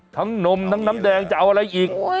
นมทั้งน้ำแดงจะเอาอะไรอีก